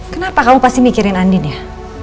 kenapa kamu pasti mikirin andien ya